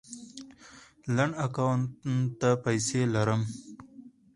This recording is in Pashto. لنډ اکاونټ ته پسې لاړم